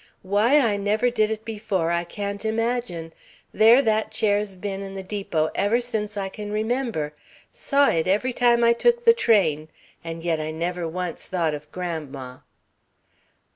"Why I never did it before, I can't imagine. There that chair's been in the depot ever since I can remember saw it every time I took the train and yet I never once thought of grandma."